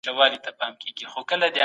غوایي بار ته سي او خره وکړي ښکرونه